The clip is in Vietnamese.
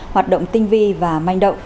hoạt động tinh vi và manh động